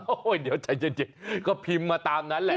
โอ้โหเดี๋ยวใจเย็นก็พิมพ์มาตามนั้นแหละ